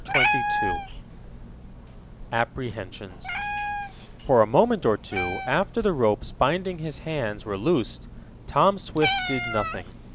CHAPTER XXII APPREHENSIONS For a moment or two, after the ropes binding his hands were loosed, Tom Swift did nothing.